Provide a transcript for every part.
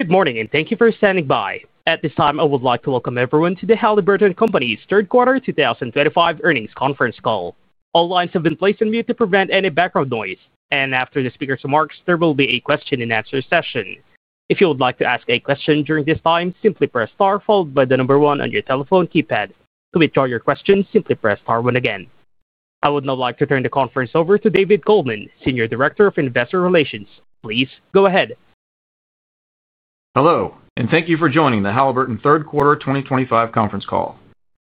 Good morning and thank you for standing by. At this time, I would like to welcome everyone to the Halliburton Company's Third Quarter 2025 Earnings Conference Call. All lines have been placed on mute to prevent any background noise, and after the speaker's remarks, there will be a question and answer session. If you would like to ask a question during this time, simply press star followed by the number one on your telephone keypad. To withdraw your question, simply press star one again. I would now like to turn the conference over to David Coleman, Senior Director of Investor Relations. Please go ahead. Hello, and thank you for joining the Halliburton Third Quarter 2025 Conference Call.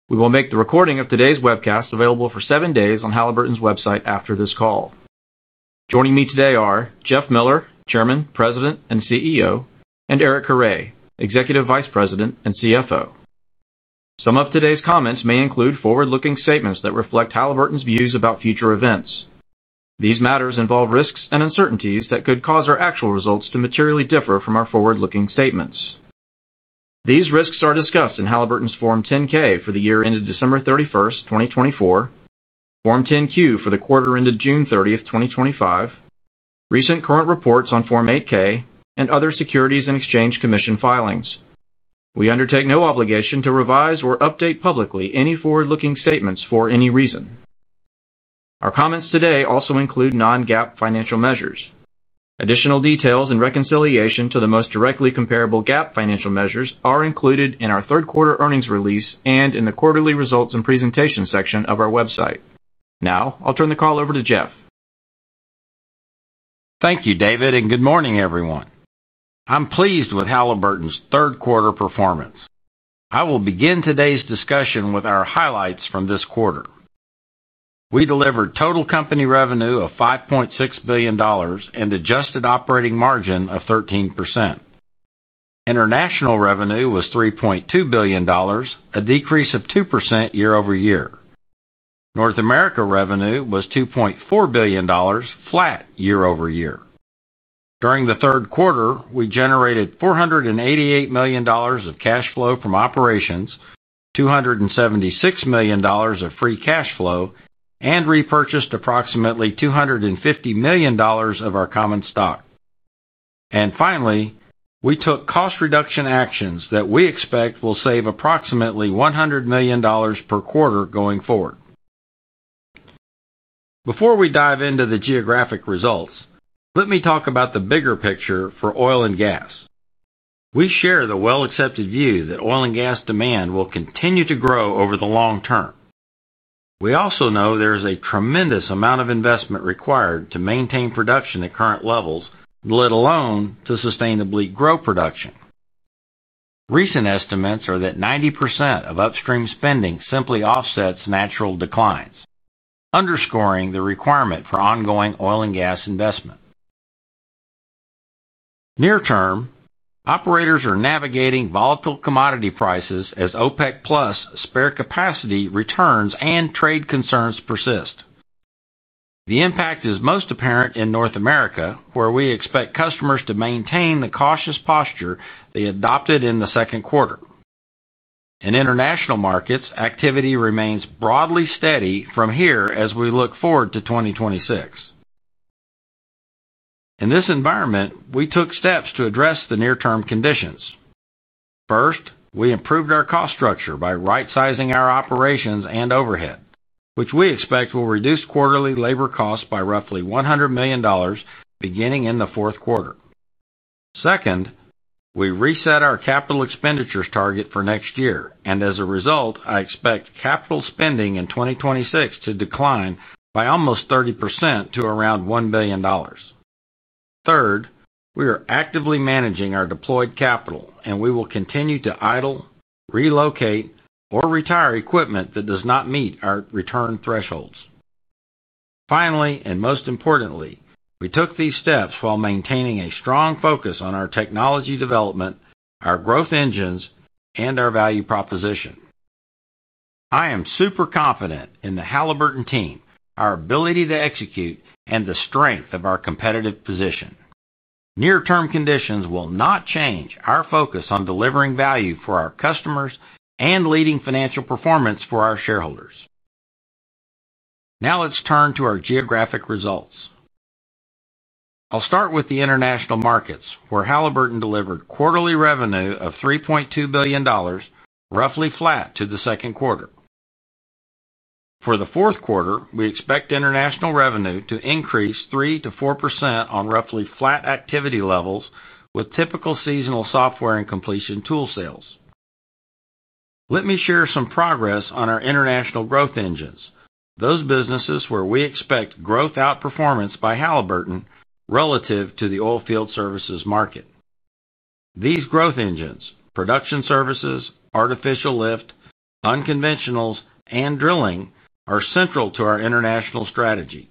We will make the recording of today's webcast available for seven days on Halliburton's website after this call. Joining me today are Jeff Miller, Chairman, President, and CEO, and Eric Carre, Executive Vice President and CFO. Some of today's comments may include forward-looking statements that reflect Halliburton's views about future events. These matters involve risks and uncertainties that could cause our actual results to materially differ from our forward-looking statements. These risks are discussed in Halliburton's Form 10-K for the year ended December 31st, 2024, Form 10-Q for the quarter ended June 30th, 2025, recent current reports on Form 8-K, and other Securities and Exchange Commission filings. We undertake no obligation to revise or update publicly any forward-looking statements for any reason. Our comments today also include non-GAAP financial measures. Additional details and reconciliation to the most directly comparable GAAP financial measures are included in our Third Quarter Earnings Release and in the Quarterly Results and Presentations section of our website. Now, I'll turn the call over to Jeff. Thank you, David, and good morning, everyone. I'm pleased with Halliburton's third quarter performance. I will begin today's discussion with our highlights from this quarter. We delivered total company revenue of $5.6 billion and adjusted operating margin of 13%. International revenue was $3.2 billion, a decrease of 2% year over year. North America revenue was $2.4 billion, flat year over year. During the third quarter, we generated $488 million of cash flow from operations, $276 million of free cash flow, and repurchased approximately $250 million of our common stock. Finally, we took cost reduction actions that we expect will save approximately $100 million per quarter going forward. Before we dive into the geographic results, let me talk about the bigger picture for oil and gas. We share the well-accepted view that oil and gas demand will continue to grow over the long term. We also know there is a tremendous amount of investment required to maintain production at current levels, let alone to sustainably grow production. Recent estimates are that 90% of upstream spending simply offsets natural declines, underscoring the requirement for ongoing oil and gas investment. Near term, operators are navigating volatile commodity prices as OPEC+ spare capacity returns and trade concerns persist. The impact is most apparent in North America, where we expect customers to maintain the cautious posture they adopted in the second quarter. In international markets, activity remains broadly steady from here as we look forward to 2026. In this environment, we took steps to address the near-term conditions. First, we improved our cost structure by right-sizing our operations and overhead, which we expect will reduce quarterly labor costs by roughly $100 million beginning in the fourth quarter. Second, we reset our capital expenditures target for next year, and as a result, I expect capital spending in 2026 to decline by almost 30% to around $1 billion. Third, we are actively managing our deployed capital, and we will continue to idle, relocate, or retire equipment that does not meet our return thresholds. Finally, and most importantly, we took these steps while maintaining a strong focus on our technology development, our growth engines, and our value proposition. I am super confident in the Halliburton team, our ability to execute, and the strength of our competitive position. Near-term conditions will not change our focus on delivering value for our customers and leading financial performance for our shareholders. Now let's turn to our geographic results. I'll start with the international markets, where Halliburton delivered quarterly revenue of $3.2 billion, roughly flat to the second quarter. For the fourth quarter, we expect international revenue to increase 3% to 4% on roughly flat activity levels with typical seasonal software and completion tool sales. Let me share some progress on our international growth engines, those businesses where we expect growth outperformance by Halliburton relative to the oilfield services market. These growth engines, production services, artificial lift, unconventionals, and drilling are central to our international strategy.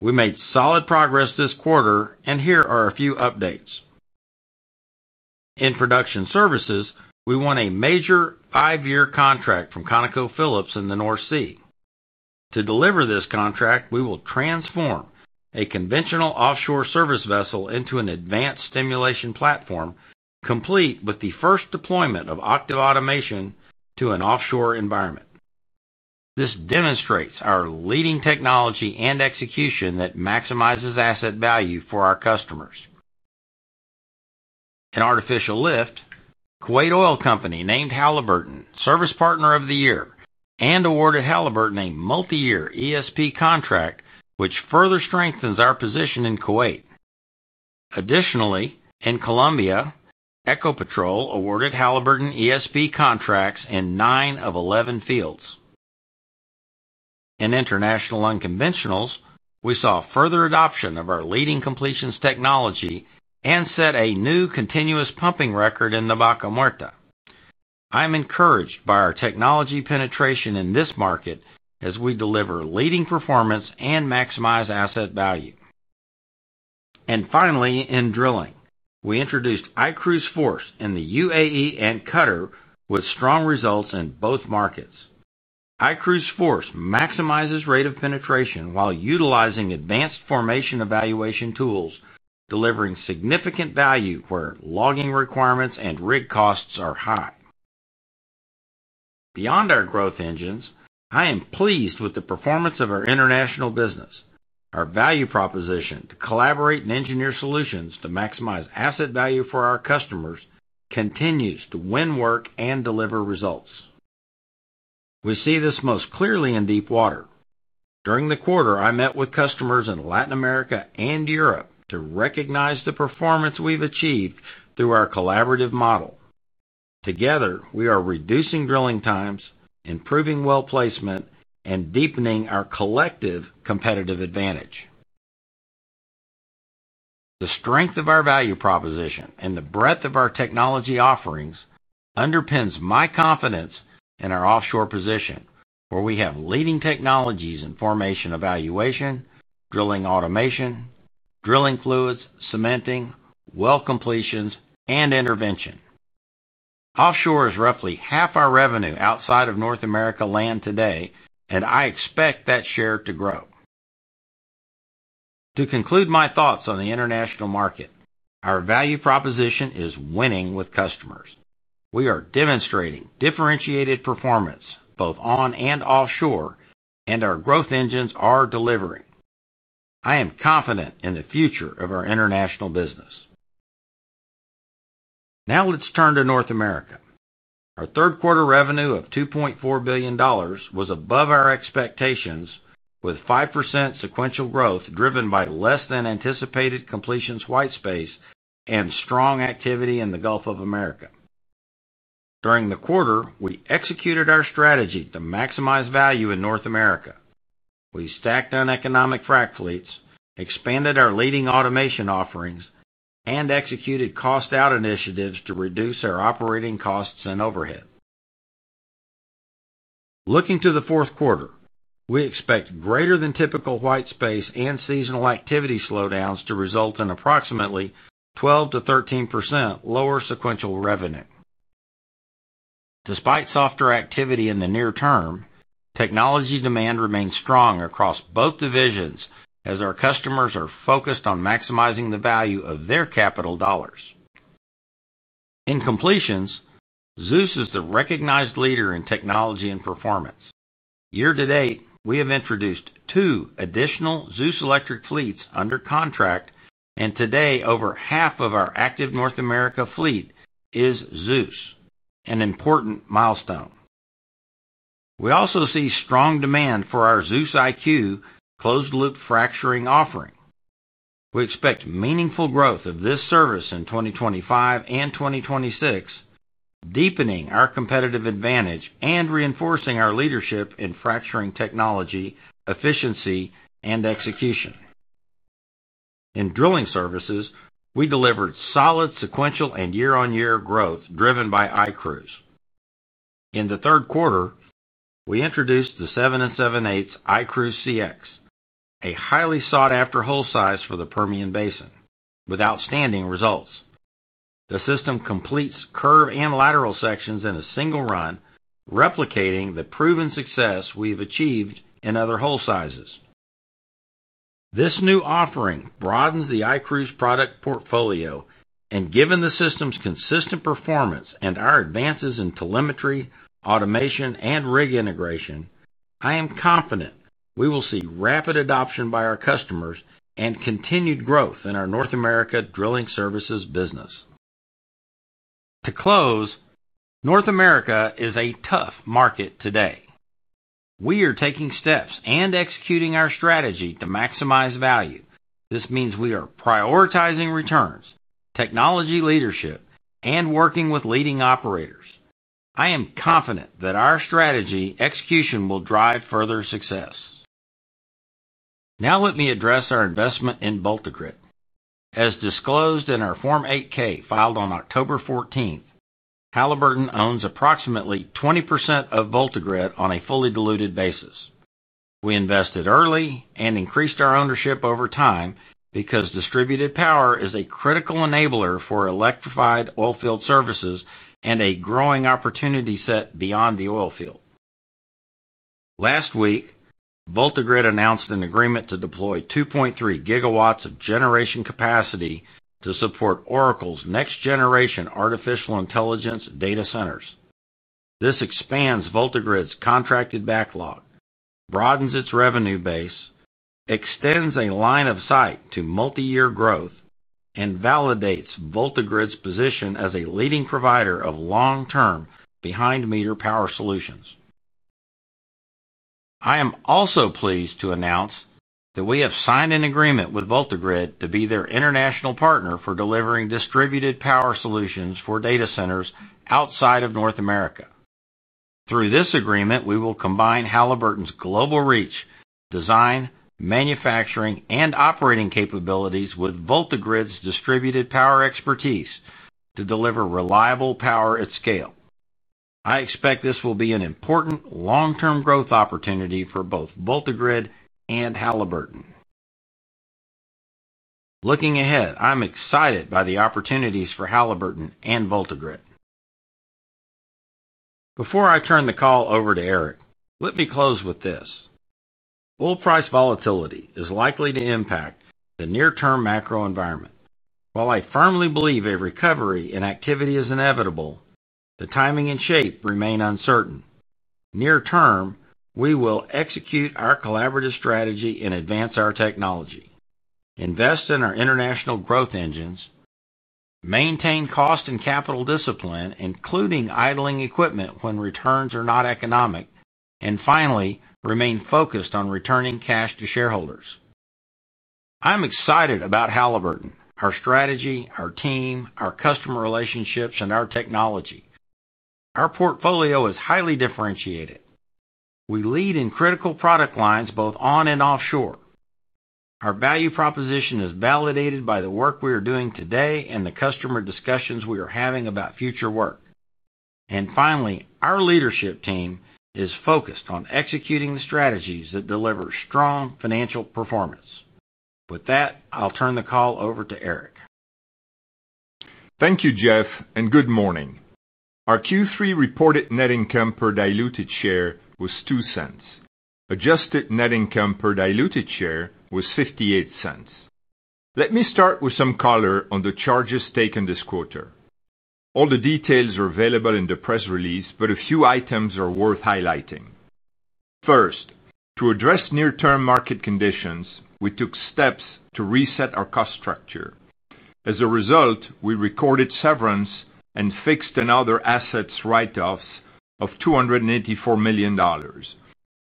We made solid progress this quarter, and here are a few updates. In production services, we won a major five-year contract from ConocoPhillips in the North Sea. To deliver this contract, we will transform a conventional offshore service vessel into an advanced simulation platform, complete with the first deployment of Octiv automation to an offshore environment. This demonstrates our leading technology and execution that maximizes asset value for our customers. In artificial lift, Kuwait Oil Company named Halliburton Service Partner of the Year and awarded Halliburton a multi-year ESP contract, which further strengthens our position in Kuwait. Additionally, in Colombia, Ecopetrol awarded Halliburton ESP contracts in nine of 11 fields. In international unconventionals, we saw further adoption of our leading completions technology and set a new continuous pumping record in the Vaca Muerta. I'm encouraged by our technology penetration in this market as we deliver leading performance and maximize asset value. Finally, in drilling, we introduced iCruise Force in the UAE and Qatar with strong results in both markets. iCruise Force maximizes rate of penetration while utilizing advanced formation evaluation tools, delivering significant value where logging requirements and rig costs are high. Beyond our growth engines, I am pleased with the performance of our international business. Our value proposition to collaborate and engineer solutions to maximize asset value for our customers continues to win work and deliver results. We see this most clearly in deepwater. During the quarter, I met with customers in Latin America and Europe to recognize the performance we've achieved through our collaborative model. Together, we are reducing drilling times, improving well placement, and deepening our collective competitive advantage. The strength of our value proposition and the breadth of our technology offerings underpins my confidence in our offshore position, where we have leading technologies in formation evaluation, drilling automation, drilling fluids, cementing, well completions, and intervention. Offshore is roughly half our revenue outside of North America land today, and I expect that share to grow. To conclude my thoughts on the international market, our value proposition is winning with customers. We are demonstrating differentiated performance both on and offshore, and our growth engines are delivering. I am confident in the future of our international business. Now let's turn to North America. Our third quarter revenue of $2.4 billion was above our expectations with 5% sequential growth driven by less than anticipated completions whitespace and strong activity in the Gulf of America. During the quarter, we executed our strategy to maximize value in North America. We stacked on economic frac fleets, expanded our leading automation offerings, and executed cost-out initiatives to reduce our operating costs and overhead. Looking to the fourth quarter, we expect greater than typical whitespace and seasonal activity slowdowns to result in approximately 12% to 13% lower sequential revenue. Despite softer activity in the near term, technology demand remains strong across both divisions as our customers are focused on maximizing the value of their capital dollars. In completions, ZEUS is the recognized leader in technology and performance. Year to date, we have introduced two additional ZEUS electric fleets under contract, and today over half of our active North America fleet is Zeus, an important milestone. We also see strong demand for our ZEUS IQ closed-loop fracturing offering. We expect meaningful growth of this service in 2025 and 2026, deepening our competitive advantage and reinforcing our leadership in fracturing technology, efficiency, and execution. In drilling services, we delivered solid sequential and year-on-year growth driven by iCruise. In the third quarter, we introduced the 7 and 7/8 iCruise CX, a highly sought-after hull size for the Permian Basin, with outstanding results. The system completes curve and lateral sections in a single run, replicating the proven success we've achieved in other hull sizes. This new offering broadens the iCruise product portfolio, and given the system's consistent performance and our advances in telemetry, automation, and rig integration, I am confident we will see rapid adoption by our customers and continued growth in our North America drilling services business. To close, North America is a tough market today. We are taking steps and executing our strategy to maximize value. This means we are prioritizing returns, technology leadership, and working with leading operators. I am confident that our strategy execution will drive further success. Now let me address our investment in VoltaGrid. As disclosed in our Form 8-K filed on October 14, Halliburton owns approximately 20% of VoltaGrid on a fully diluted basis. We invested early and increased our ownership over time because distributed power is a critical enabler for electrified oilfield services and a growing opportunity set beyond the oilfield. Last week, VoltaGrid announced an agreement to deploy 2.3 GW of generation capacity to support Oracle's next-generation artificial intelligence data centers. This expands VoltaGrid's contracted backlog, broadens its revenue base, extends a line of sight to multi-year growth, and validates VoltaGrid's position as a leading provider of long-term behind-meter power solutions. I am also pleased to announce that we have signed an agreement with VoltaGrid to be their international partner for delivering distributed power solutions for data centers outside of North America. Through this agreement, we will combine Halliburton's global reach, design, manufacturing, and operating capabilities with VoltaGrid's distributed power expertise to deliver reliable power at scale. I expect this will be an important long-term growth opportunity for both VoltaGrid and Halliburton. Looking ahead, I'm excited by the opportunities for Halliburton and VoltaGrid. Before I turn the call over to Eric, let me close with this. Oil price volatility is likely to impact the near-term macro environment. While I firmly believe a recovery in activity is inevitable, the timing and shape remain uncertain. Near term, we will execute our collaborative strategy and advance our technology, invest in our international growth engines, maintain cost and capital discipline, including idling equipment when returns are not economic, and finally, remain focused on returning cash to shareholders. I'm excited about Halliburton, our strategy, our team, our customer relationships, and our technology. Our portfolio is highly differentiated. We lead in critical product lines both on and offshore. Our value proposition is validated by the work we are doing today and the customer discussions we are having about future work. Our leadership team is focused on executing the strategies that deliver strong financial performance. With that, I'll turn the call over to Eric. Thank you, Jeff, and good morning. Our Q3 reported net income per diluted share was $0.02. Adjusted net income per diluted share was $0.58. Let me start with some color on the charges taken this quarter. All the details are available in the press release, but a few items are worth highlighting. First, to address near-term market conditions, we took steps to reset our cost structure. As a result, we recorded severance and fixed and other assets write-offs of $284 million.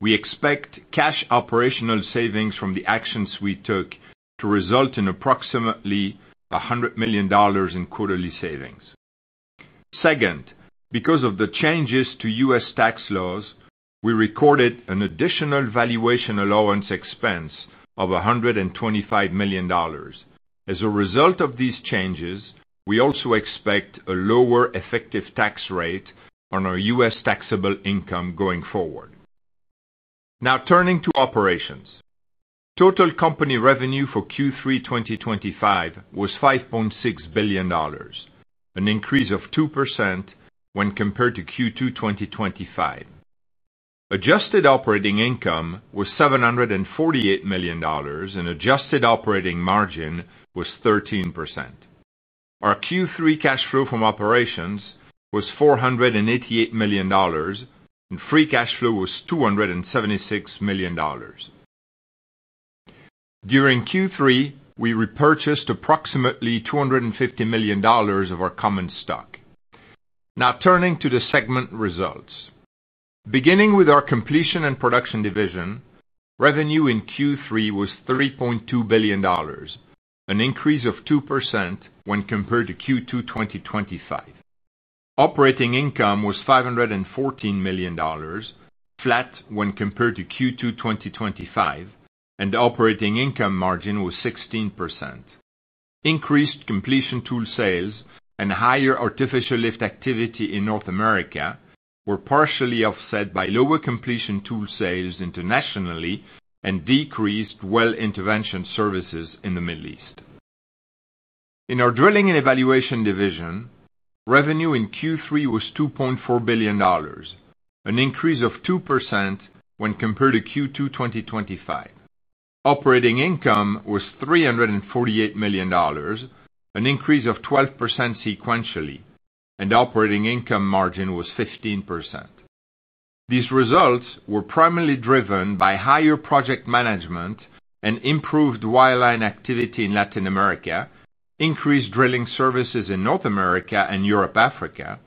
We expect cash operational savings from the actions we took to result in approximately $100 million in quarterly savings. Second, because of the changes to U.S. tax laws, we recorded an additional valuation allowance expense of $125 million. As a result of these changes, we also expect a lower effective tax rate on our U.S. taxable income going forward. Now, turning to operations, total company revenue for Q3 2025 was $5.6 billion, an increase of 2% when compared to Q2 2025. Adjusted operating income was $748 million, and adjusted operating margin was 13%. Our Q3 cash flow from operations was $488 million, and free cash flow was $276 million. During Q3, we repurchased approximately $250 million of our common stock. Now, turning to the segment results. Beginning with our completion and production division, revenue in Q3 was $3.2 billion, an increase of 2% when compared to Q2 2025. Operating income was $514 million, flat when compared to Q2 2025, and operating income margin was 16%. Increased completion tool sales and higher artificial lift activity in North America were partially offset by lower completion tool sales internationally and decreased well intervention services in the Middle East. In our drilling and evaluation division, revenue in Q3 was $2.4 billion, an increase of 2% when compared to Q2 2025. Operating income was $348 million, an increase of 12% sequentially, and operating income margin was 15%. These results were primarily driven by higher project management and improved wireline activity in Latin America, increased drilling services in North America and Europe, Africa,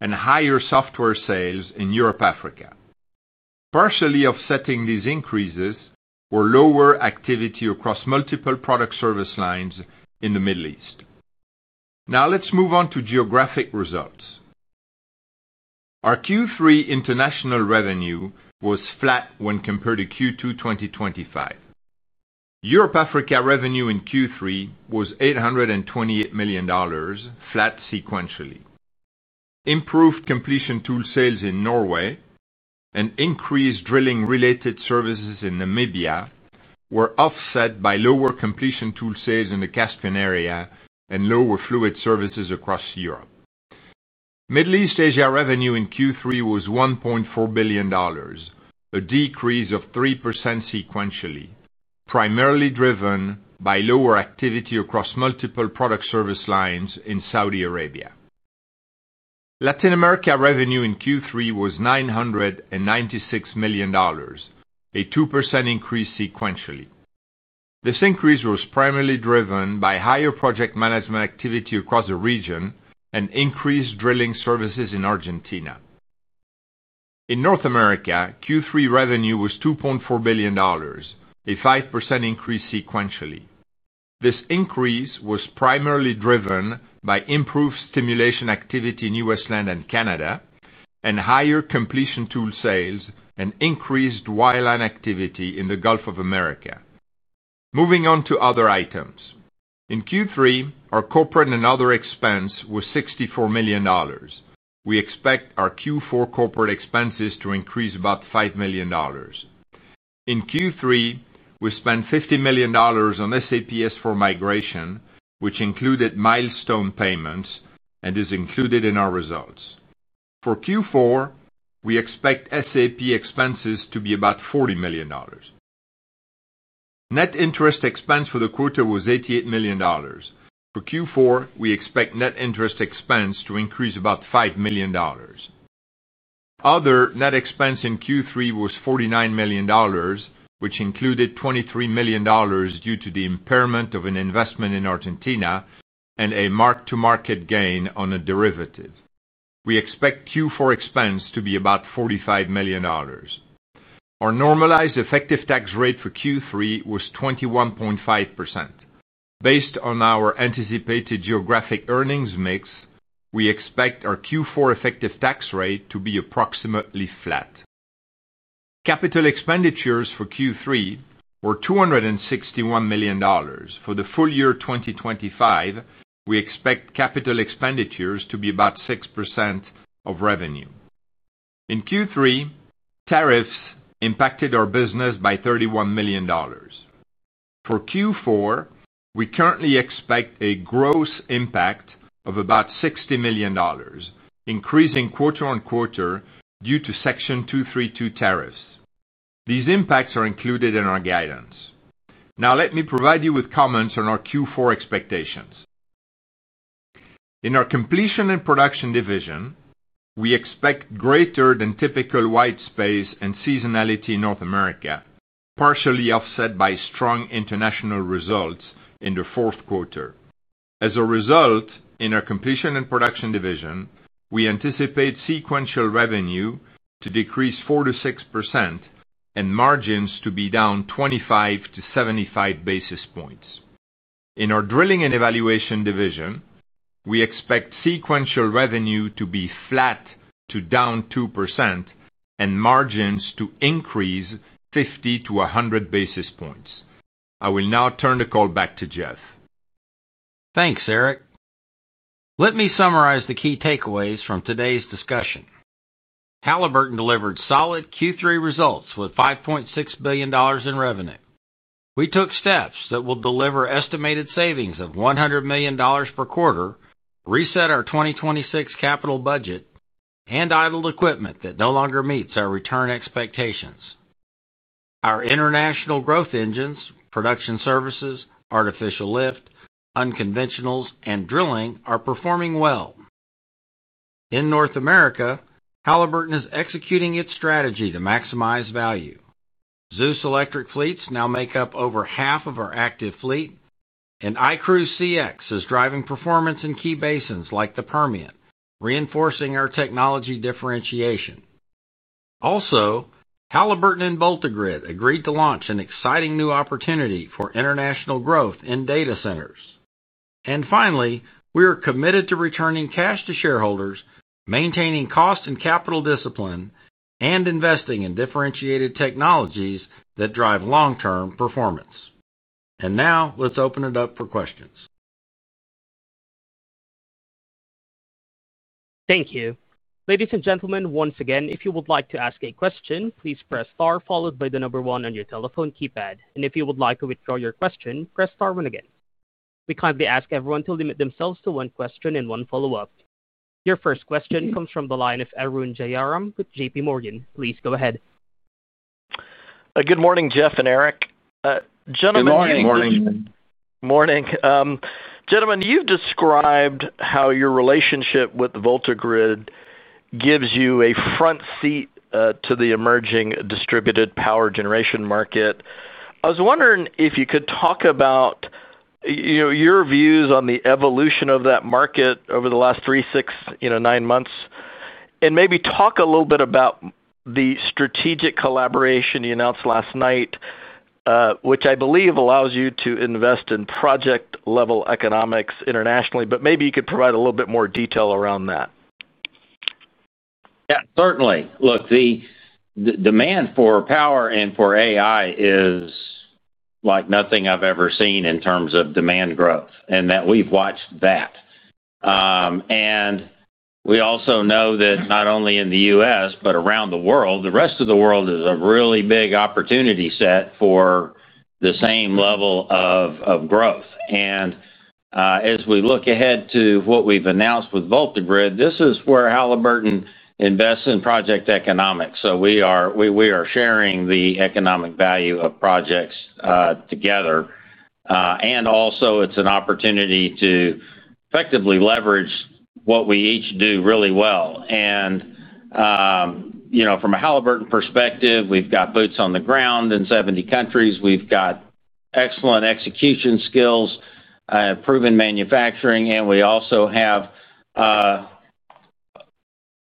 and higher software sales in Europe, Africa. Partially offsetting these increases were lower activity across multiple product service lines in the Middle East. Now, let's move on to geographic results. Our Q3 international revenue was flat when compared to Q2 2025. Europe, Africa revenue in Q3 was $828 million, flat sequentially. Improved completion tool sales in Norway and increased drilling-related services in Namibia were offset by lower completion tool sales in the Caspian area and lower fluid services across Europe. Middle East Asia revenue in Q3 was $1.4 billion, a decrease of 3% sequentially, primarily driven by lower activity across multiple product service lines in Saudi Arabia. Latin America revenue in Q3 was $996 million, a 2% increase sequentially. This increase was primarily driven by higher project management activity across the region and increased drilling services in Argentina. In North America, Q3 revenue was $2.4 billion, a 5% increase sequentially. This increase was primarily driven by improved stimulation activity in U.S. land and Canada, and higher completion tool sales and increased wireline activity in the Gulf of America. Moving on to other items. In Q3, our corporate and other expense was $64 million. We expect our Q4 corporate expenses to increase about $5 million. In Q3, we spent $50 million on SAP S4 migration, which included milestone payments and is included in our results. For Q4, we expect SAP expenses to be about $40 million. Net interest expense for the quarter was $88 million. For Q4, we expect net interest expense to increase about $5 million. Other net expense in Q3 was $49 million, which included $23 million due to the impairment of an investment in Argentina and a mark-to-market gain on a derivative. We expect Q4 expense to be about $45 million. Our normalized effective tax rate for Q3 was 21.5%. Based on our anticipated geographic earnings mix, we expect our Q4 effective tax rate to be approximately flat. Capital expenditures for Q3 were $261 million. For the full year 2025, we expect capital expenditures to be about 6% of revenue. In Q3, tariffs impacted our business by $31 million. For Q4, we currently expect a gross impact of about $60 million, increasing quarter on quarter due to Section 232 tariffs. These impacts are included in our guidance. Now, let me provide you with comments on our Q4 expectations. In our completion and production division, we expect greater than typical whitespace and seasonality in North America, partially offset by strong international results in the fourth quarter. As a result, in our completion and production division, we anticipate sequential revenue to decrease 4% to 6% and margins to be down 25 to 75 basis points. In our Drilling and Evaluation division, we expect sequential revenue to be flat to down 2% and margins to increase 50 to 100 basis points. I will now turn the call back to Jeff. Thanks, Eric. Let me summarize the key takeaways from today's discussion. Halliburton delivered solid Q3 results with $5.6 billion in revenue. We took steps that will deliver estimated savings of $100 million per quarter, reset our 2026 capital budget, and idled equipment that no longer meets our return expectations. Our international growth engines, production services, artificial lift, unconventionals, and drilling are performing well. In North America, Halliburton is executing its strategy to maximize value. ZEUS electric fleets now make up over half of our active fleet, and iCruise CX is driving performance in key basins like the Permian, reinforcing our technology differentiation. Halliburton and VoltaGrid agreed to launch an exciting new opportunity for international growth in data centers. Finally, we are committed to returning cash to shareholders, maintaining cost and capital discipline, and investing in differentiated technologies that drive long-term performance. Now, let's open it up for questions. Thank you. Ladies and gentlemen, once again, if you would like to ask a question, please press star followed by the number one on your telephone keypad. If you would like to withdraw your question, press star one again. We kindly ask everyone to limit themselves to one question and one follow-up. Your first question comes from the line of Arun Jayaram with JPMorgan. Please go ahead. Good morning, Jeff and Eric. Gentlemen. Good morning. Morning. Morning. Gentlemen, you've described how your relationship with VoltaGrid gives you a front seat to the emerging distributed power generation market. I was wondering if you could talk about your views on the evolution of that market over the last three, six, nine months, and maybe talk a little bit about the strategic collaboration you announced last night, which I believe allows you to invest in project-level economics internationally. Maybe you could provide a little bit more detail around that. Yeah, certainly. Look, the demand for power and for AI is like nothing I've ever seen in terms of demand growth, and we've watched that. We also know that not only in the U.S., but around the world, the rest of the world is a really big opportunity set for the same level of growth. As we look ahead to what we've announced with VoltaGrid, this is where Halliburton invests in project economics. We are sharing the economic value of projects together. It's an opportunity to effectively leverage what we each do really well. From a Halliburton perspective, we've got boots on the ground in 70 countries. We've got excellent execution skills, proven manufacturing, and we also have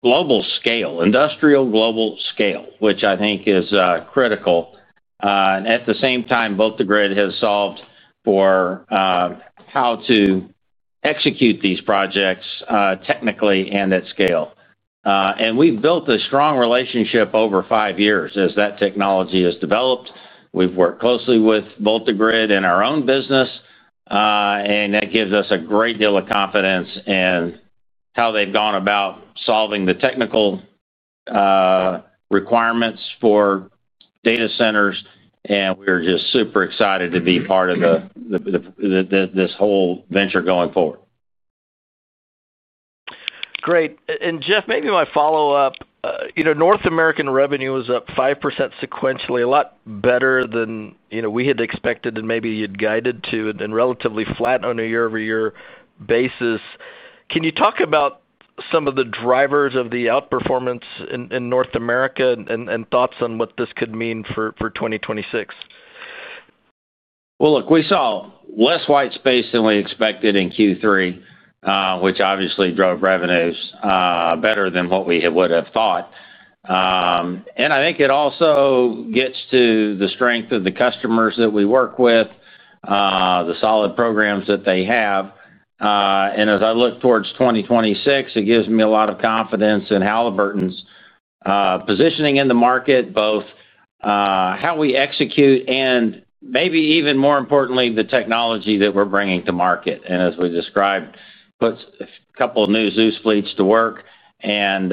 global scale, industrial global scale, which I think is critical. At the same time, VoltaGrid has solved for how to execute these projects technically and at scale. We've built a strong relationship over five years as that technology has developed. We've worked closely with VoltaGrid in our own business, and that gives us a great deal of confidence in how they've gone about solving the technical requirements for data centers. We are just super excited to be part of this whole venture going forward. Great. Jeff, maybe my follow-up, you know, North American revenue was up 5% sequentially, a lot better than we had expected and maybe you'd guided to, and relatively flat on a year-over-year basis. Can you talk about some of the drivers of the outperformance in North America and thoughts on what this could mean for 2026? We saw less whitespace than we expected in Q3, which obviously drove revenues better than what we would have thought. I think it also gets to the strength of the customers that we work with, the solid programs that they have. As I look towards 2026, it gives me a lot of confidence in Halliburton's positioning in the market, both how we execute and maybe even more importantly, the technology that we're bringing to market. As we described, puts a couple of new ZEUS fleets to work and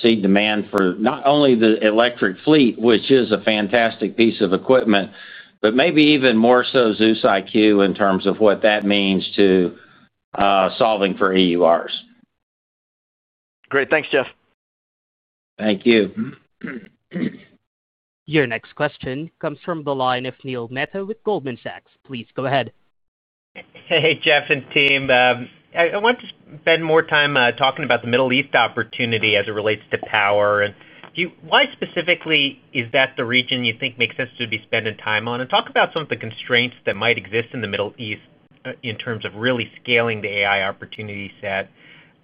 seed demand for not only the electric fleet, which is a fantastic piece of equipment, but maybe even more so ZEUS IQ in terms of what that means to solving for EURs. Great. Thanks, Jeff. Thank you. Your next question comes from the line of Neil Mehta with Goldman Sachs. Please go ahead. Hey, Jeff and team. I want to spend more time talking about the Middle East opportunity as it relates to power. Why specifically is that the region you think makes sense to be spending time on? Talk about some of the constraints that might exist in the Middle East in terms of really scaling the AI opportunity set,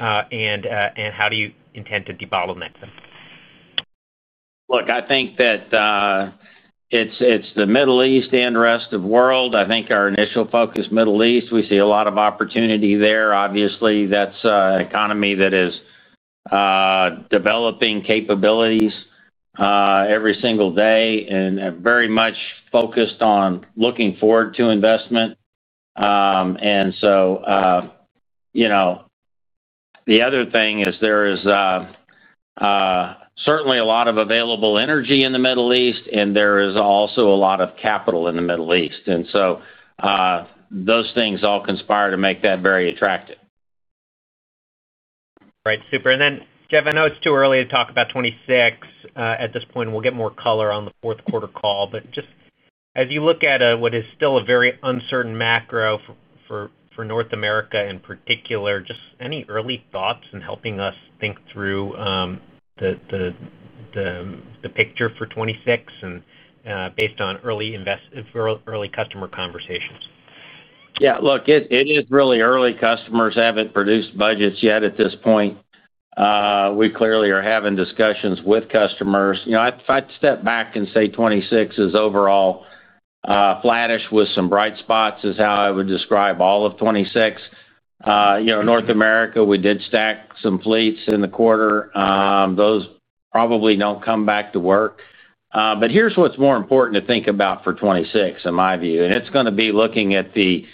and how do you intend to debottle that? I think that it's the Middle East and the rest of the world. I think our initial focus is the Middle East. We see a lot of opportunity there. Obviously, that's an economy that is developing capabilities every single day and very much focused on looking forward to investment. The other thing is there is certainly a lot of available energy in the Middle East, and there is also a lot of capital in the Middle East. Those things all conspire to make that very attractive. Right. Super. Given, I know it's too early to talk about 2026 at this point. We'll get more color on the fourth quarter call. Just as you look at what is still a very uncertain macro for North America in particular, any early thoughts in helping us think through the picture for 2026 and based on early customer conversations? Yeah, look, it is really early. Customers haven't produced budgets yet at this point. We clearly are having discussions with customers. If I step back and say 2026 is overall flattish with some bright spots, that is how I would describe all of 2026. North America, we did stack some fleets in the quarter. Those probably don't come back to work. Here's what's more important to think about for 2026 in my view, and it is going to be looking at the mileposts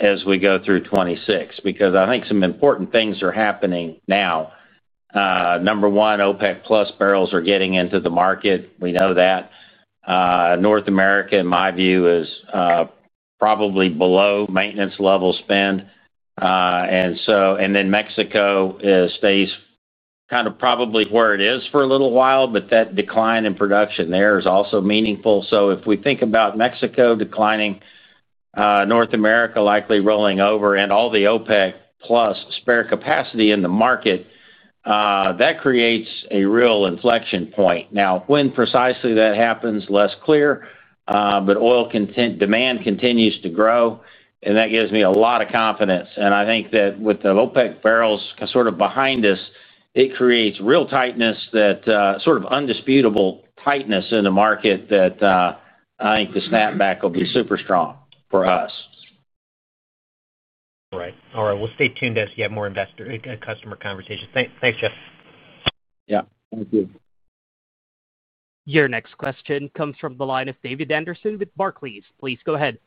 as we go through 2026 because I think some important things are happening now. Number one, OPEC+ barrels are getting into the market. We know that. North America, in my view, is probably below maintenance level spend. Mexico stays kind of probably where it is for a little while, but that decline in production there is also meaningful. If we think about Mexico declining, North America likely rolling over, and all the OPEC+ spare capacity in the market, that creates a real inflection point. Now, when precisely that happens is less clear, but oil demand continues to grow, and that gives me a lot of confidence. I think that with the OPEC barrels sort of behind us, it creates real tightness, that sort of undisputable tightness in the market that I think the snapback will be super strong for us. Right. All right. Stay tuned as you have more customer conversations. Thanks, Jeff. Thank you. Your next question comes from the line of David Anderson with Barclays. Please go ahead.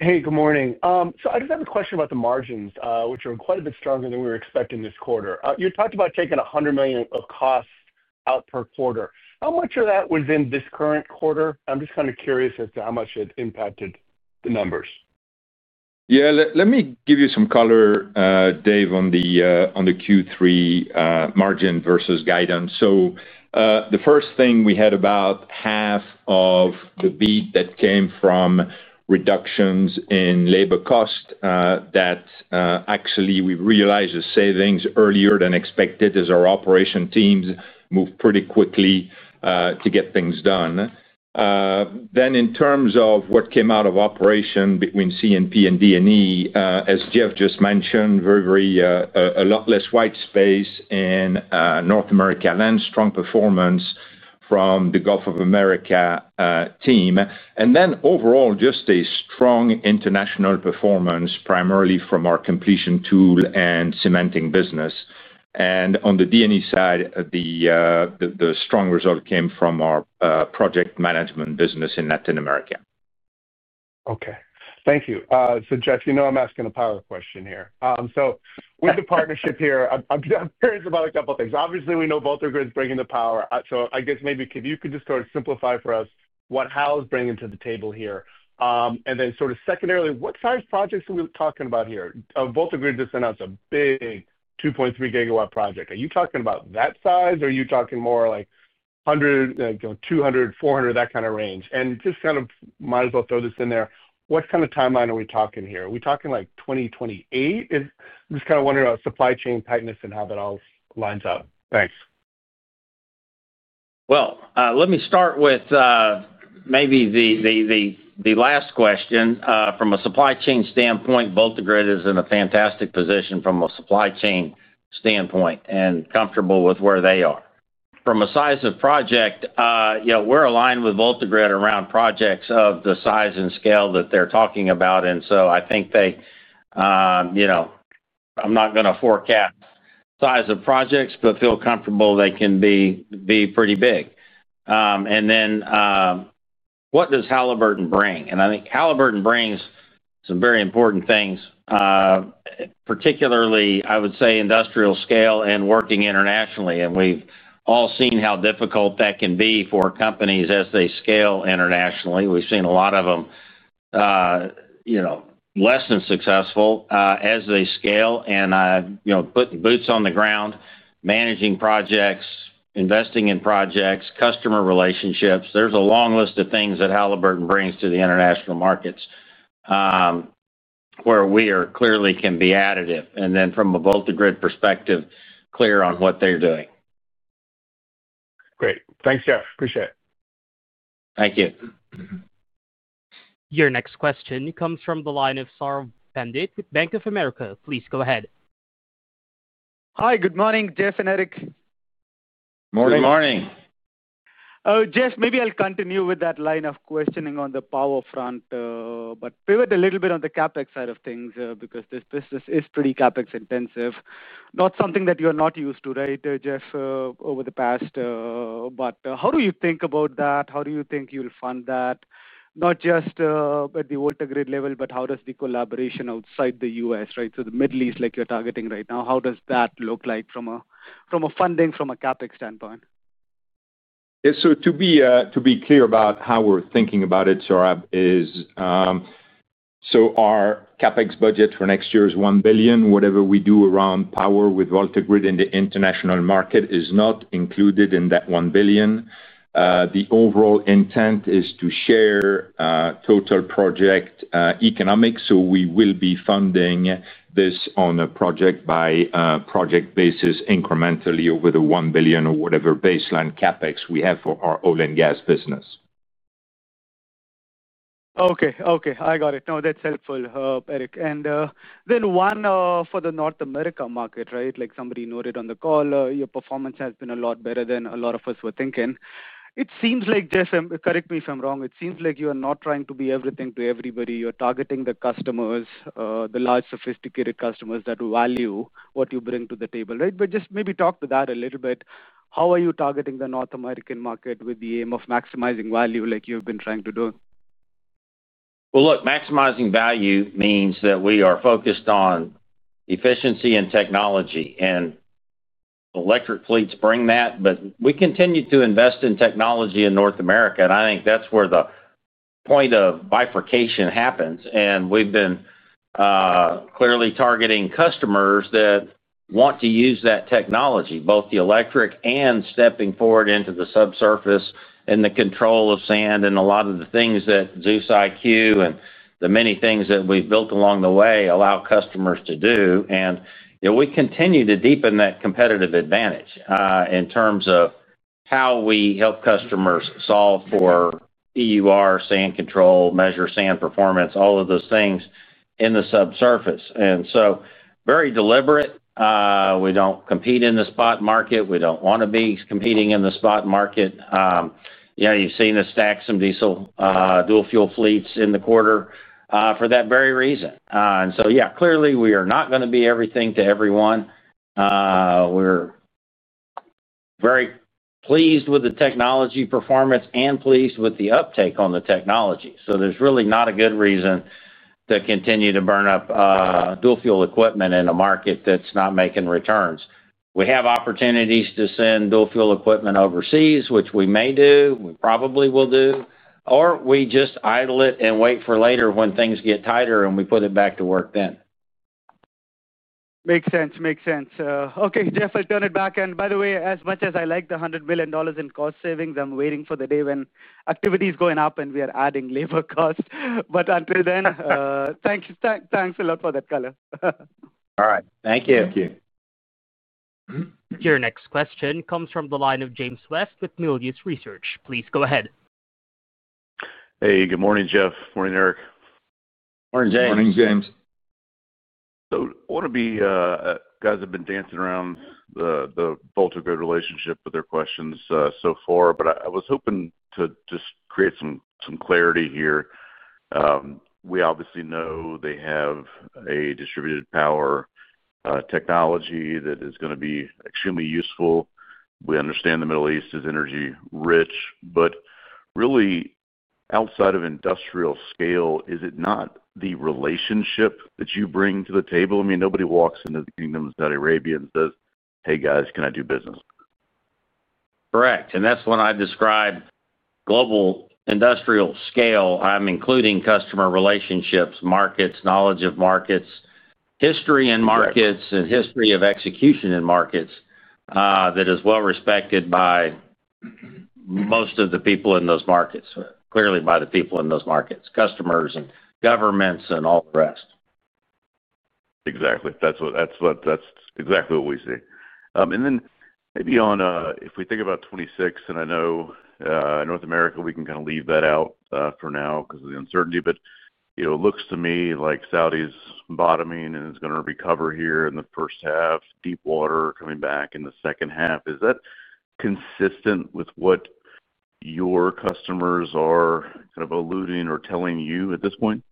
Good morning. I just have a question about the margins, which are quite a bit stronger than we were expecting this quarter. You talked about taking $100 million of costs out per quarter. How much of that was in this current quarter? I'm just kind of curious as to how much it impacted the numbers. Let me give you some color, Dave, on the Q3 margin versus guidance. The first thing, we had about half of the beat that came from reductions in labor costs that actually we realized as savings earlier than expected as our operation teams moved pretty quickly to get things done. In terms of what came out of operation between C&P and D&E, as Jeff just mentioned, there is a lot less whitespace in North America land, strong performance from the Gulf of America team. Overall, just a strong international performance, primarily from our completion tool and cementing business. On the D&E side, the strong result came from our project management business in Latin America. Okay. Thank you. Jeff, you know I'm asking a power question here. With the partnership here, I'm curious about a couple of things. Obviously, we know VoltaGrid's bringing the power. I guess maybe if you could just sort of simplify for us what Halliburton's bringing to the table here. Secondarily, what size projects are we talking about here? VoltaGrid just announced a big 2.3 GW project. Are you talking about that size, or are you talking more like 100, 200, 400, that kind of range? Might as well throw this in there. What kind of timeline are we talking here? Are we talking like 2028? I'm just kind of wondering about supply chain tightness and how that all lines up. Thanks. Let me start with maybe the last question. From a supply chain standpoint, VoltaGrid is in a fantastic position from a supply chain standpoint and comfortable with where they are. From a size of project, you know, we're aligned with VoltaGrid around projects of the size and scale that they're talking about. I think they, you know, I'm not going to forecast size of projects, but feel comfortable they can be pretty big. What does Halliburton bring? I think Halliburton brings some very important things, particularly, I would say, industrial scale and working internationally. We've all seen how difficult that can be for companies as they scale internationally. We've seen a lot of them, you know, less than successful as they scale. Putting boots on the ground, managing projects, investing in projects, customer relationships, there's a long list of things that Halliburton brings to the international markets where we clearly can be additive. From a VoltaGrid perspective, clear on what they're doing. Great. Thanks, Jeff. Appreciate it. Thank you. Your next question comes from the line of Saurabh Pant with Bank of America. Please go ahead. Hi, good morning, Jeff and Eric. Morning. Good morning. Oh, Jeff, maybe I'll continue with that line of questioning on the power front, but pivot a little bit on the CapEx side of things because this business is pretty CapEx intensive. Not something that you're not used to, right, Jeff, over the past, but how do you think about that? How do you think you'll fund that? Not just at the VoltaGrid level, but how does the collaboration outside the U.S., right? The Middle East, like you're targeting right now, how does that look like from a funding, from a CapEx standpoint? Yeah, to be clear about how we're thinking about it, Saurabh, our CapEx budget for next year is $1 billion. Whatever we do around power with VoltaGrid in the international market is not included in that $1 billion. The overall intent is to share total project economics. We will be funding this on a project-by-project basis incrementally over the $1 billion or whatever baseline CapEx we have for our oil and gas business. Okay. I got it. No, that's helpful, Eric. Then one for the North America market, right? Like somebody noted on the call, your performance has been a lot better than a lot of us were thinking. It seems like, Jeff, correct me if I'm wrong, it seems like you are not trying to be everything to everybody. You're targeting the customers, the large sophisticated customers that value what you bring to the table, right? Just maybe talk to that a little bit. How are you targeting the North American market with the aim of maximizing value like you've been trying to do? Maximizing value means that we are focused on efficiency and technology. Electric fleets bring that, but we continue to invest in technology in North America. I think that's where the point of bifurcation happens. We have been clearly targeting customers that want to use that technology, both the electric and stepping forward into the subsurface and the control of sand and a lot of the things that ZEUS IQ and the many things that we've built along the way allow customers to do. We continue to deepen that competitive advantage in terms of how we help customers solve for EUR, sand control, measure sand performance, all of those things in the subsurface. It is very deliberate. We don't compete in the spot market. We don't want to be competing in the spot market. You've seen us stack some diesel dual fuel fleets in the quarter for that very reason. Clearly, we are not going to be everything to everyone. We're very pleased with the technology performance and pleased with the uptake on the technology. There's really not a good reason to continue to burn up dual fuel equipment in a market that's not making returns. We have opportunities to send dual fuel equipment overseas, which we may do, we probably will do, or we just idle it and wait for later when things get tighter and we put it back to work then. Makes sense. Makes sense. Okay, Jeff, I turn it back. By the way, as much as I like the $100 million in cost savings, I'm waiting for the day when activity is going up and we are adding labor costs. Until then, thanks a lot for that color. All right. Thank you. Thank you. Your next question comes from the line of James West with Melius Research. Please go ahead. Hey, good morning, Jeff. Morning, Eric. Morning, James. Morning, James. I want to be clear, you guys have been dancing around the VoltaGrid relationship with your questions so far, but I was hoping to just create some clarity here. We obviously know they have a distributed power technology that is going to be extremely useful. We understand the Middle East is energy-rich, but really, outside of industrial scale, is it not the relationship that you bring to the table? I mean, nobody walks into the Kingdom of Saudi Arabia and says, "Hey, guys, can I do business? Correct. When I describe global industrial scale, I'm including customer relationships, markets, knowledge of markets, history in markets, and history of execution in markets that is well respected by most of the people in those markets, clearly by the people in those markets, customers and governments and all the rest. Exactly. That's exactly what we see. Maybe if we think about 2026, and I know in North America, we can kind of leave that out for now because of the uncertainty, but it looks to me like Saudi is bottoming and is going to recover here in the first half, deepwater coming back in the second half. Is that consistent with what your customers are kind of alluding or telling you at this point?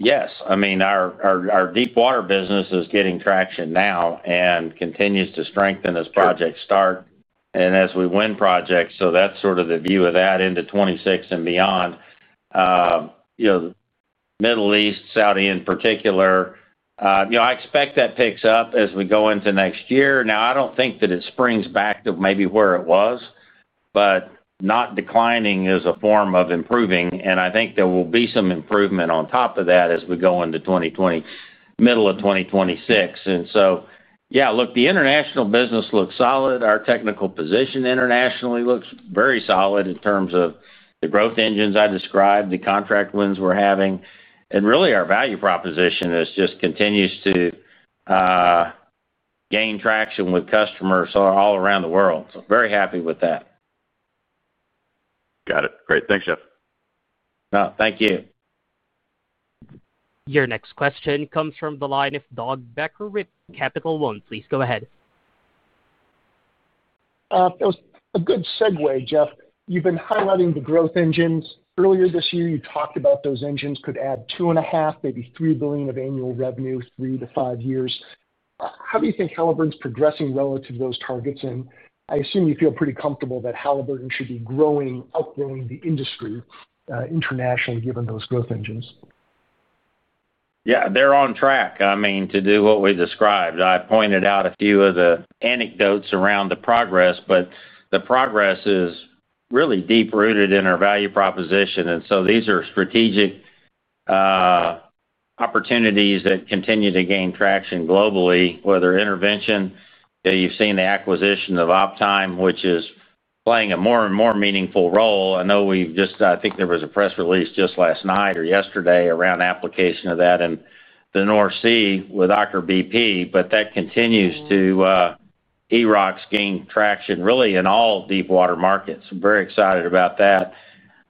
Yes. I mean, our deepwater business is getting traction now and continues to strengthen as projects start. As we win projects, that's sort of the view of that into 2026 and beyond. You know, the Middle East, Saudi in particular, I expect that picks up as we go into next year. I don't think that it springs back to maybe where it was, but not declining is a form of improving. I think there will be some improvement on top of that as we go into the middle of 2026. The international business looks solid. Our technical position internationally looks very solid in terms of the growth engines I described, the contract wins we're having, and really our value proposition just continues to gain traction with customers all around the world. Very happy with that. Got it. Great. Thanks, Jeff. Thank you. Your next question comes from the line of Doug Becker with Capital One. Please go ahead. That was a good segue, Jeff. You've been highlighting the growth engines. Earlier this year, you talked about those engines could add $2.5 billion, maybe $3 billion of annual revenue three to five years. How do you think Halliburton's progressing relative to those targets? I assume you feel pretty comfortable that Halliburton should be growing, outgrowing the industry internationally given those growth engines. Yeah, they're on track. I mean, to do what we described, I pointed out a few of the anecdotes around the progress, but the progress is really deep-rooted in our value proposition. These are strategic opportunities that continue to gain traction globally, whether intervention. You've seen the acquisition of Optyme, which is playing a more and more meaningful role. I know we've just, I think there was a press release just last night or yesterday around application of that in the North Sea with Aker BP, but that continues to, EROX gain traction really in all deepwater markets. I'm very excited about that.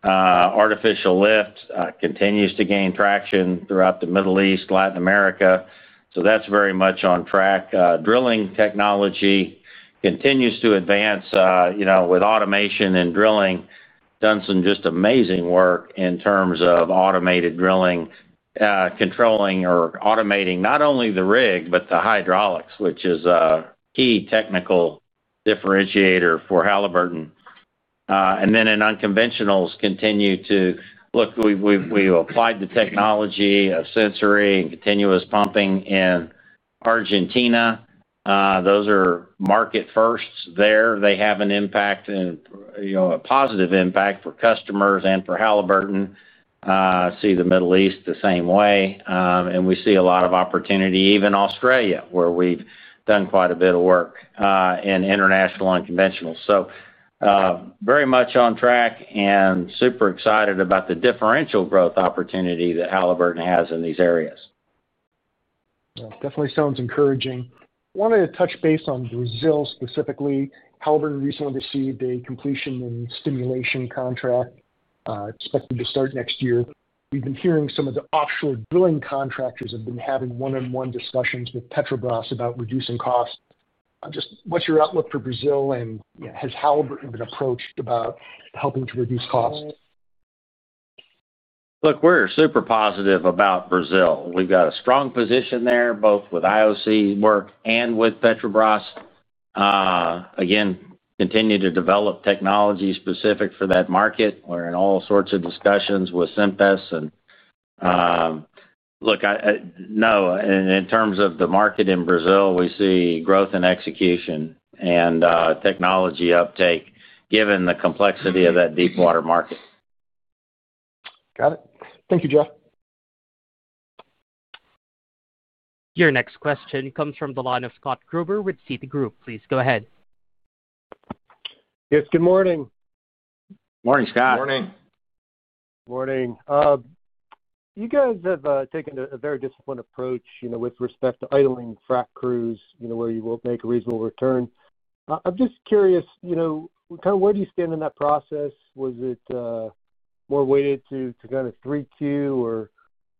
Artificial lift continues to gain traction throughout the Middle East, Latin America. That's very much on track. Drilling technology continues to advance, you know, with automation and drilling. Done some just amazing work in terms of automated drilling, controlling or automating not only the rig, but the hydraulics, which is a key technical differentiator for Halliburton. In unconventionals, continue to look, we applied the technology of Sensori and continuous pumping in Argentina. Those are market firsts there. They have an impact and, you know, a positive impact for customers and for Halliburton. See the Middle East the same way. We see a lot of opportunity, even Australia, where we've done quite a bit of work, in international unconventionals. Very much on track and super excited about the differential growth opportunity that Halliburton has in these areas. It definitely sounds encouraging. I wanted to touch base on Brazil specifically. Halliburton recently received a completion and stimulation contract, expected to start next year. We've been hearing some of the offshore drilling contractors have been having one-on-one discussions with Petrobras about reducing costs. Just what's your outlook for Brazil and has Halliburton been approached about helping to reduce costs? Look, we're super positive about Brazil. We've got a strong position there both with IOC work and with Petrobras. We continue to develop technology specific for that market. We're in all sorts of discussions with Synthes, and in terms of the market in Brazil, we see growth in execution and technology uptake given the complexity of that deepwater market. Got it. Thank you, Jeff. Your next question comes from the line of Scott Gruber with Citigroup. Please go ahead. Yes, good morning. Morning, Scott. Morning. You guys have taken a very disciplined approach with respect to idling frack crews where you won't make a reasonable return. I'm just curious, where do you stand in that process? Was it more weighted to 3Q or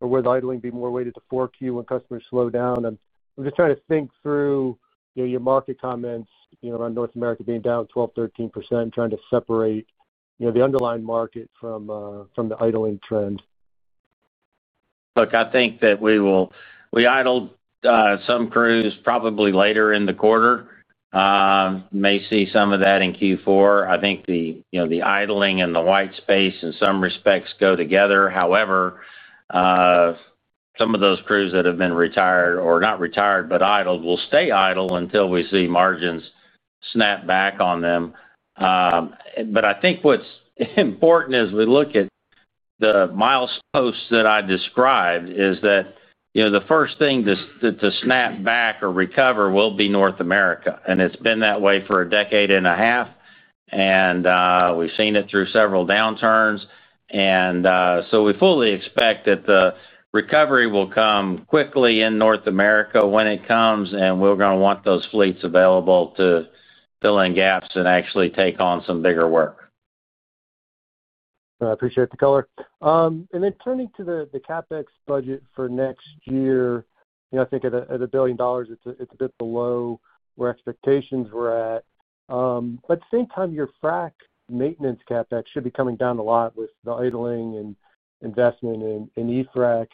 would the idling be more weighted to 4Q when customers slow down? I'm just trying to think through your market comments on North America being down 12%, 13%, trying to separate the underlying market from the idling trend. Look, I think that we idled some crews probably later in the quarter. You may see some of that in Q4. I think the idling and the whitespace in some respects go together. However, some of those crews that have been idled will stay idle until we see margins snap back on them. I think what's important as we look at the mileposts that I described is that the first thing to snap back or recover will be North America. It's been that way for a decade and a half. We've seen it through several downturns. We fully expect that the recovery will come quickly in North America when it comes, and we're going to want those fleets available to fill in gaps and actually take on some bigger work. I appreciate the color. Turning to the CapEx budget for next year, I think at $1 billion, it's a bit below where expectations were. At the same time, your frack maintenance CapEx should be coming down a lot with the idling and investment in e-frack.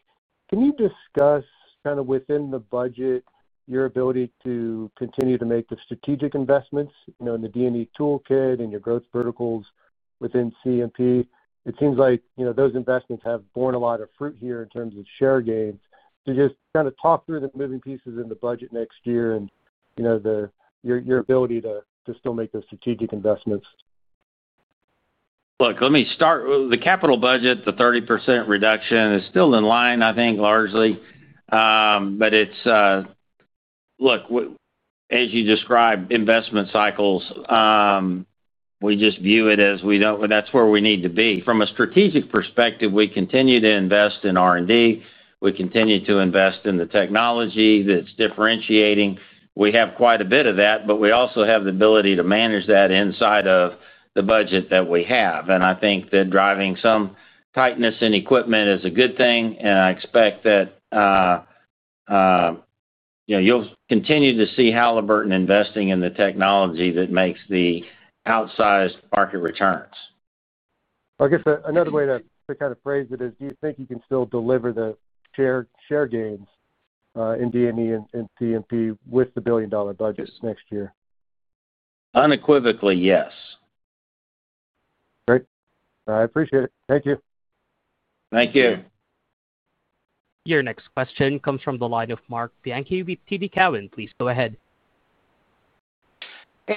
Can you discuss within the budget your ability to continue to make the strategic investments in the D&E toolkit and your growth verticals within C&P? It seems like those investments have borne a lot of fruit here in terms of share gains. Just talk through the moving pieces in the budget next year and your ability to still make those strategic investments. Look, let me start. The capital budget, the 30% reduction is still in line, I think, largely. It is, as you described, investment cycles. We just view it as we don't, and that's where we need to be. From a strategic perspective, we continue to invest in R&D. We continue to invest in the technology that's differentiating. We have quite a bit of that, but we also have the ability to manage that inside of the budget that we have. I think that driving some tightness in equipment is a good thing. I expect that you'll continue to see Halliburton investing in the technology that makes the outsized market returns. I guess another way to kind of phrase it is, do you think you can still deliver the share gains in D&E and C&P with the billion-dollar budgets next year? Unequivocally, yes. Great. I appreciate it. Thank you. Thank you. Your next question comes from the line of Marc Bianchi with TD Cowen. Please go ahead.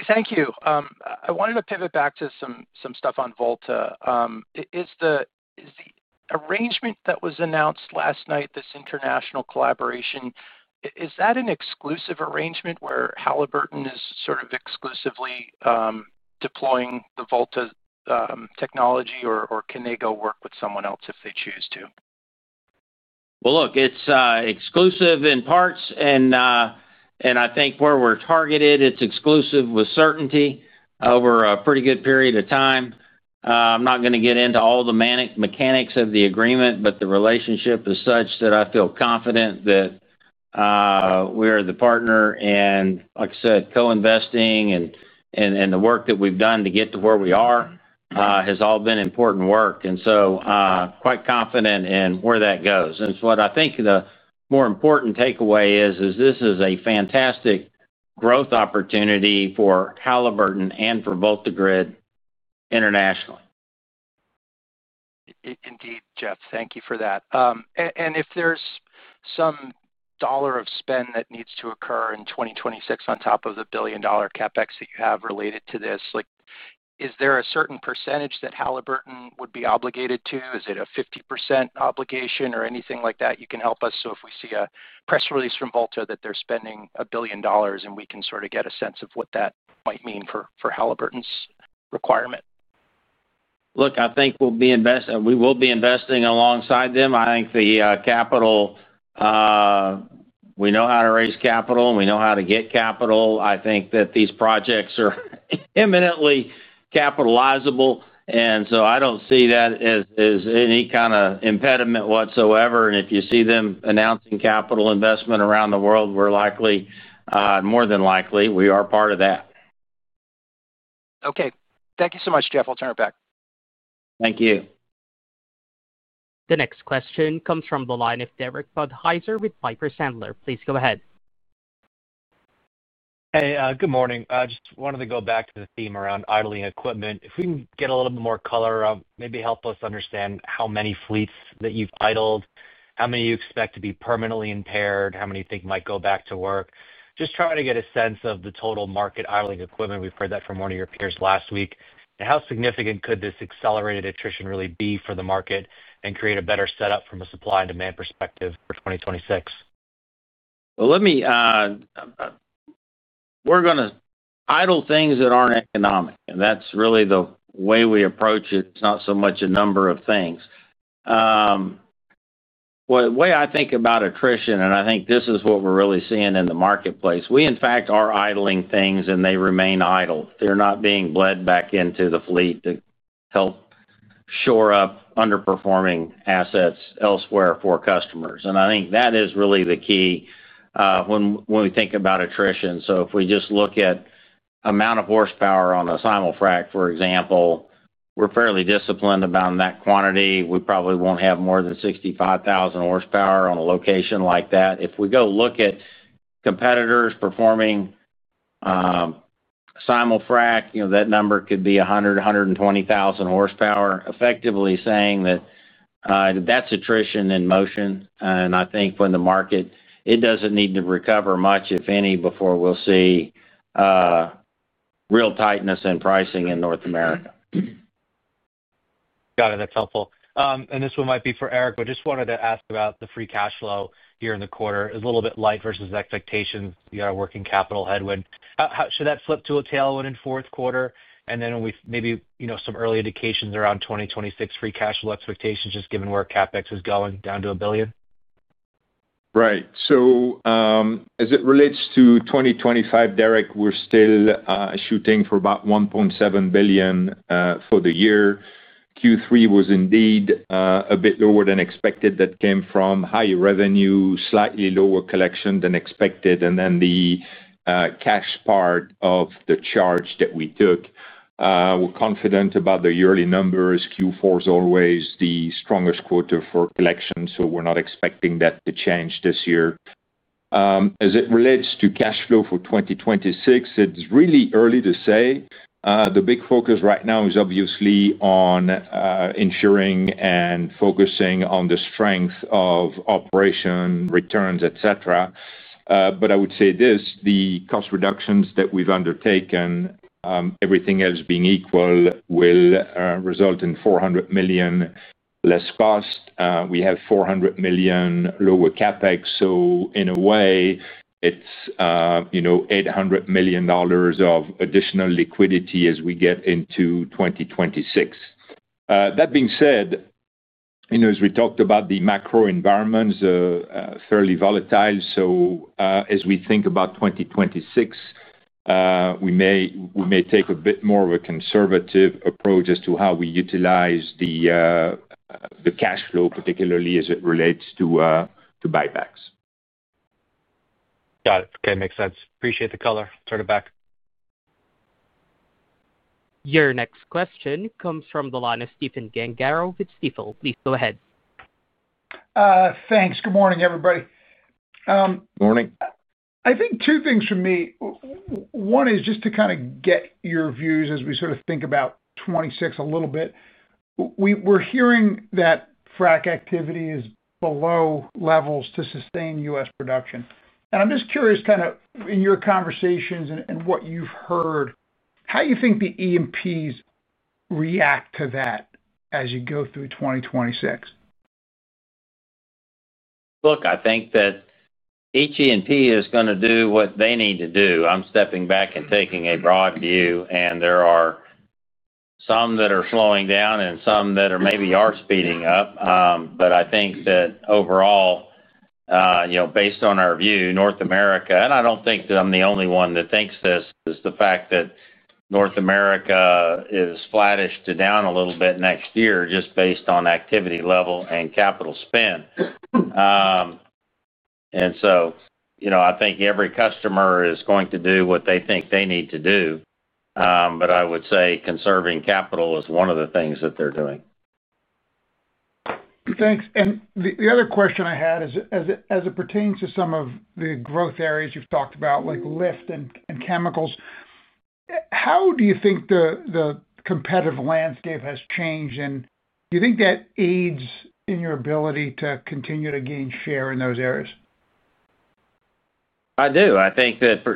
Thank you. I wanted to pivot back to some stuff on VoltaGrid. Is the arrangement that was announced last night, this international collaboration, an exclusive arrangement where Halliburton is sort of exclusively deploying the VoltaGrid technology, or can they go work with someone else if they choose to? It is exclusive in parts, and I think where we're targeted, it's exclusive with certainty over a pretty good period of time. I'm not going to get into all the mechanics of the agreement, but the relationship is such that I feel confident that we are the partner. Like I said, co-investing and the work that we've done to get to where we are has all been important work. I am quite confident in where that goes. I think the more important takeaway is this is a fantastic growth opportunity for Halliburton and for VoltaGrid internationally. Indeed, Jeff. Thank you for that. If there's some dollar of spend that needs to occur in 2026 on top of the $1 billion CapEx that you have related to this, is there a certain percentage that Halliburton would be obligated to? Is it a 50% obligation or anything like that? You can help us. If we see a press release from VoltaGrid that they're spending $1 billion, we can sort of get a sense of what that might mean for Halliburton's requirement. I think we'll be invested. We will be investing alongside them. I think the capital, we know how to raise capital, and we know how to get capital. I think that these projects are imminently capitalizable. I don't see that as any kind of impediment whatsoever. If you see them announcing capital investment around the world, we're likely, more than likely, we are part of that. Okay, thank you so much, Jeff. I'll turn it back. Thank you. The next question comes from the line of Derek Podhaizer with Piper Sandler. Please go ahead. Hey, good morning. I just wanted to go back to the theme around idling equipment. If we can get a little bit more color, maybe help us understand how many fleets that you've idled, how many you expect to be permanently impaired, how many you think might go back to work. Just trying to get a sense of the total market idling equipment. We've heard that from one of your peers last week. How significant could this accelerated attrition really be for the market and create a better setup from a supply and demand perspective for 2026? We're going to idle things that aren't economic. That's really the way we approach it. It's not so much a number of things. The way I think about attrition, and I think this is what we're really seeing in the marketplace, we, in fact, are idling things and they remain idle. They're not being bled back into the fleet to help shore up underperforming assets elsewhere for customers. I think that is really the key when we think about attrition. If we just look at the amount of horsepower on a simul-frac, for example, we're fairly disciplined about that quantity. We probably won't have more than 65,000 HP on a location like that. If we go look at competitors performing simul-frac, you know, that number could be 100,000 HP, 120,000 HP, effectively saying that that's attrition in motion. I think when the market, it doesn't need to recover much, if any, before we'll see real tightness in pricing in North America. Got it. That's helpful. This one might be for Eric, but I just wanted to ask about the free cash flow here in the quarter. It's a little bit light versus the expectations. You got a working capital headwind. Should that flip to a tailwind in the fourth quarter? Maybe some early indications around 2026 free cash flow expectations, just given where CapEx is going down to $1 billion? Right. As it relates to 2025, Derek, we're still shooting for about $1.7 billion for the year. Q3 was indeed a bit lower than expected. That came from higher revenue, slightly lower collection than expected, and the cash part of the charge that we took. We're confident about the yearly numbers. Q4 is always the strongest quarter for collection, so we're not expecting that to change this year. As it relates to cash flow for 2026, it's really early to say. The big focus right now is obviously on ensuring and focusing on the strength of operation, returns, etc. I would say this, the cost reductions that we've undertaken, everything else being equal, will result in $400 million less cost. We have $400 million lower CapEx. In a way, it's $800 million of additional liquidity as we get into 2026. That being said, as we talked about the macro environments, fairly volatile. As we think about 2026, we may take a bit more of a conservative approach as to how we utilize the cash flow, particularly as it relates to buybacks. Got it. Okay, makes sense. Appreciate the color. I'll turn it back. Your next question comes from the line of Stephen Gengaro with Stifel. Please go ahead. Thanks. Good morning, everybody. Morning. I think two things from me. One is just to kind of get your views as we sort of think about 2026 a little bit. We're hearing that frac activity is below levels to sustain U.S. production. I'm just curious, kind of in your conversations and what you've heard, how do you think the EMPs react to that as you go through 2026? I think that HENP is going to do what they need to do. I'm stepping back and taking a broad view, and there are some that are slowing down and some that maybe are speeding up. I think that overall, based on our view, North America, and I don't think that I'm the only one that thinks this, is the fact that North America is flattish to down a little bit next year just based on activity level and capital spend. I think every customer is going to do what they think they need to do. I would say conserving capital is one of the things that they're doing. Thanks. The other question I had is, as it pertains to some of the growth areas you've talked about, like lift and chemicals, how do you think the competitive landscape has changed? Do you think that aids in your ability to continue to gain share in those areas? I think that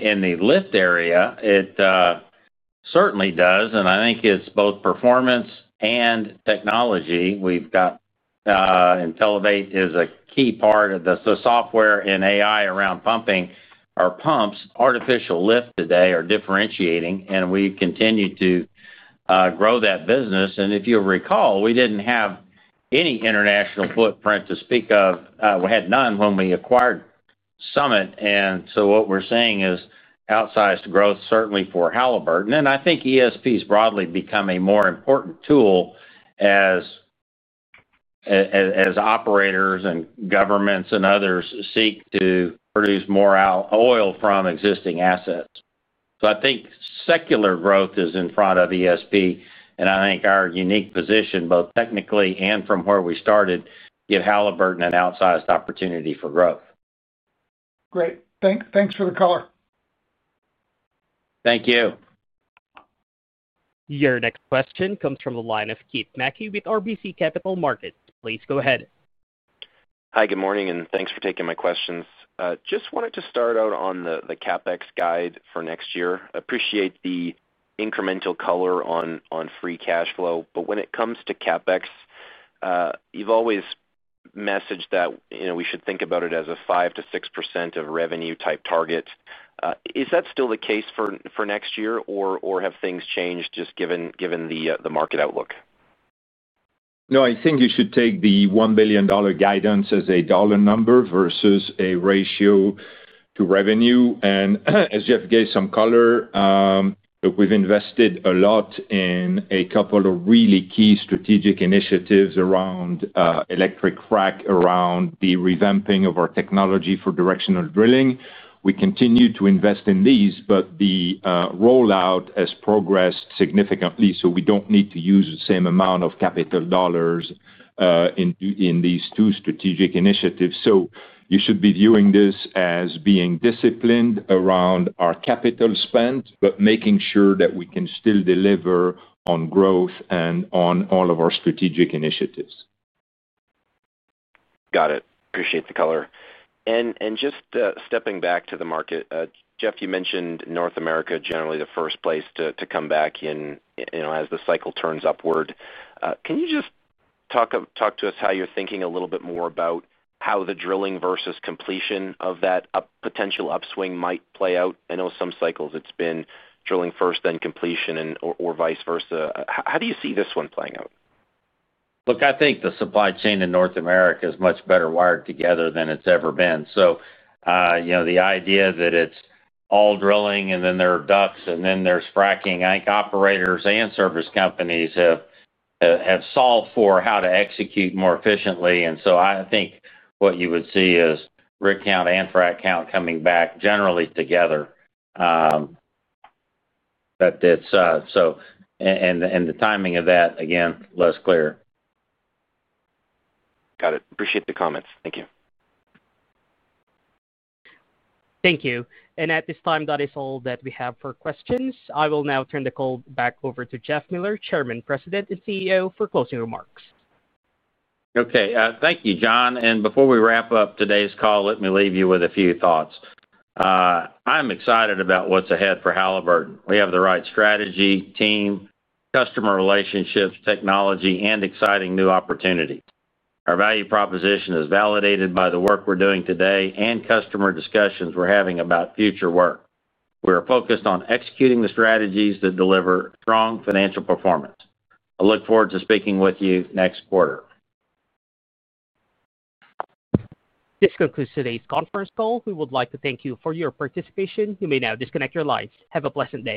in the lift area, it certainly does. I think it's both performance and technology. We've got Intellivate as a key part of the software and AI around pumping our pumps. Artificial lift today is differentiating, and we continue to grow that business. If you'll recall, we didn't have any international footprint to speak of. We had none when we acquired Summit. What we're seeing is outsized growth, certainly for Halliburton. I think ESP has broadly become a more important tool as operators and governments and others seek to produce more oil from existing assets. I think secular growth is in front of ESP, and I think our unique position, both technically and from where we started, gives Halliburton an outsized opportunity for growth. Great. Thanks for the color. Thank you. Your next question comes from the line of Keith Mackey with RBC Capital Markets. Please go ahead. Hi, good morning, and thanks for taking my questions. Just wanted to start out on the CapEx guide for next year. I appreciate the incremental color on free cash flow, but when it comes to CapEx, you've always messaged that, you know, we should think about it as a 5% to 6% of revenue type target. Is that still the case for next year, or have things changed just given the market outlook? No, I think you should take the $1 billion guidance as a dollar number versus a ratio to revenue. As Jeff gave some color, look, we've invested a lot in a couple of really key strategic initiatives around electric frac, around the revamping of our technology for directional drilling. We continue to invest in these, but the rollout has progressed significantly, so we don't need to use the same amount of capital dollars in these two strategic initiatives. You should be viewing this as being disciplined around our capital spend, but making sure that we can still deliver on growth and on all of our strategic initiatives. Got it. Appreciate the color. Just stepping back to the market, Jeff, you mentioned North America generally the first place to come back in as the cycle turns upward. Can you just talk to us how you're thinking a little bit more about how the drilling versus completion of that potential upswing might play out? I know some cycles it's been drilling first, then completion, or vice versa. How do you see this one playing out? I think the supply chain in North America is much better wired together than it's ever been. The idea that it's all drilling and then there are ducts and then there's fracking, I think operators and service companies have solved for how to execute more efficiently. I think what you would see is rig count and frac count coming back generally together. The timing of that, again, is less clear. Got it. Appreciate the comments. Thank you. Thank you. At this time, that is all that we have for questions. I will now turn the call back over to Jeff Miller, Chairman, President, and CEO, for closing remarks. Thank you, John. Before we wrap up today's call, let me leave you with a few thoughts. I'm excited about what's ahead for Halliburton. We have the right strategy, team, customer relationships, technology, and exciting new opportunities. Our value proposition is validated by the work we're doing today and customer discussions we're having about future work. We are focused on executing the strategies that deliver strong financial performance. I look forward to speaking with you next quarter. This concludes today's conference call. We would like to thank you for your participation. You may now disconnect your lines. Have a pleasant day.